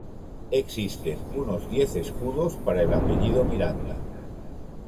Existen unos diez escudos para el apellido Miranda.